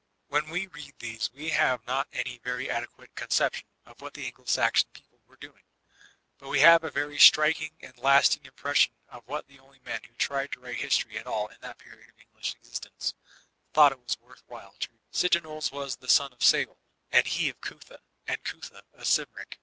— ^when we read these we have not any very adequate conception of what the Anglo Saxon people were doing; but we have a very striking and lasting impression of what the only men who tried to write history at all in that period of English existence, thought it was worth while to record. *'Cyntp\s was tiie son of Ceol, and he of Cutha, and Cutha of Cymric."